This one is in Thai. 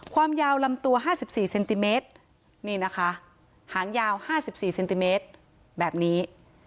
ความยาวลำตัว๕๔เซนติเมตรนี่นะคะหางยาว๕๔เซนติเมตรแบบนี้